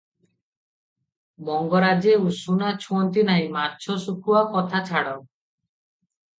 ମଙ୍ଗରାଜେ ଉଷୁନା ଛୁଅନ୍ତି ନାହିଁ ମାଛ ଶୁଖୁଆ କଥାଛାଡ଼ ।